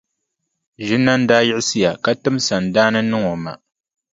Ʒinani daa yiɣisiya ka tim sandaani niŋ o ma.